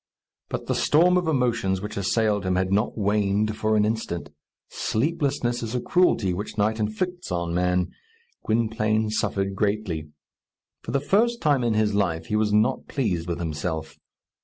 But the storm of emotions which assailed him had not waned for an instant. Sleeplessness is a cruelty which night inflicts on man. Gwynplaine suffered greatly. For the first time in his life, he was not pleased with himself.